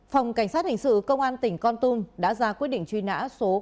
phòng cảnh sát hình sự công an tỉnh con tum đã ra quyết định truy nã số ba